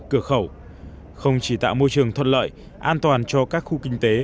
cửa khẩu không chỉ tạo môi trường thuận lợi an toàn cho các khu kinh tế